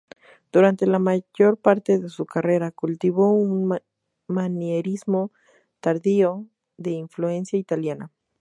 Durante la mayor parte de su carrera cultivó un manierismo tardío, de influencia italiana.